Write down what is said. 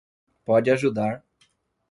Pode ajudar